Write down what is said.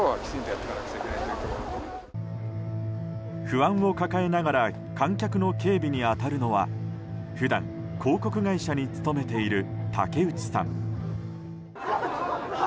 不安を抱えながら観客の警備に当たるのは普段、広告会社に勤めている竹内さん。